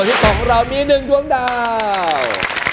ส่วนพี่ป๋องของเรามี๑ดวงดาว